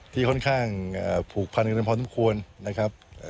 ที่ค่อนข้างผูกพันกันกันค่อนข้างควรนะครับ